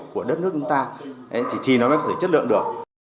của đất nước chúng ta thì nó mới có thể chất lượng được